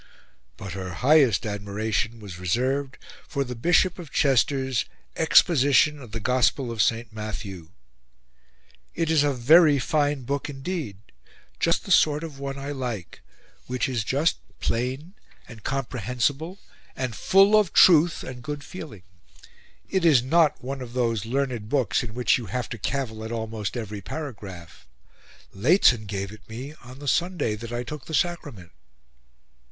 But her highest admiration was reserved for the Bishop of Chester's 'Exposition of the Gospel of St. Matthew.' "It is a very fine book indeed. Just the sort of one I like; which is just plain and comprehensible and full of truth and good feeling. It is not one of those learned books in which you have to cavil at almost every paragraph. Lehzen gave it me on the Sunday that I took the Sacrament."